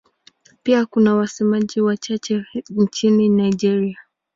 Pia kuna wasemaji wachache nchini Nigeria.